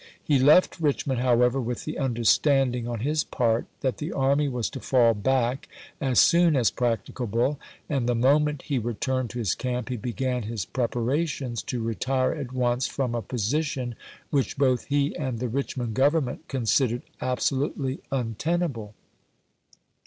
He left Eichmond, however, with the understand ing on his part that the army was to fall back as 164 ABKAHAM LINCOLN Chap. IX. soon Rs practicable, and the moment lie returned to his camp he began his preparations to retire at once from a position which both he and the Eichmond Government considered absohitely untenable.